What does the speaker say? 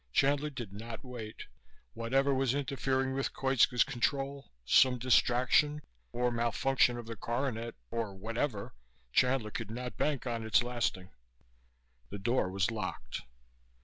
Chandler did not wait. Whatever was interfering with Koitska's control, some distraction or malfunction of the coronet or whatever, Chandler could not bank on its lasting. The door was locked.